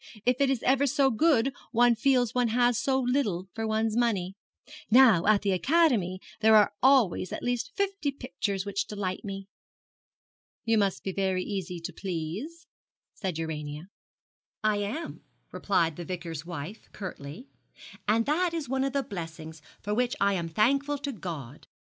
If it is ever so good one feels one has had so little for one's money. Now at the Academy there are always at least fifty pictures which delight me.' 'You must be very easy to please,' said Urania. 'I am,' replied the Vicar's wife, curtly, 'and that is one of the blessings for which I am thankful to God.